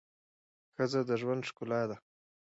ښځه د ژوند ښکلا ده.